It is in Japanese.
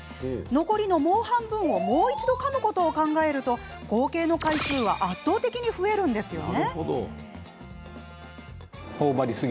残りのもう半分をもう一度かむことを考えると合計の回数は圧倒的に増えるんですね。